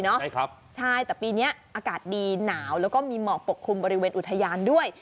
แต่อากาศปีนี้ดีหนาวแล้วก็มีเหมาะปกคลุมบริเวณอุทยานด้วย